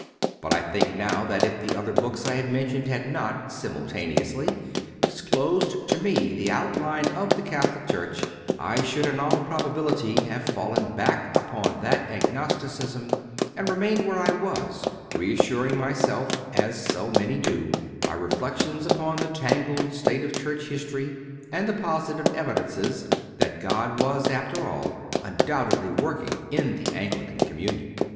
But I think now that if the other books I have mentioned had not, simultaneously, disclosed to me the outline of the Catholic Church, I should in all probability have fallen back upon that agnosticism and remained where I was, reassur ing myself, as so many do, by reflections upon the tangled state of Church history and the positive evidences that God was, after all, undoubtedly working in the Anglican communion.